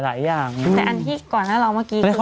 ทีมงานกองละครตอนนี้หลายคนก็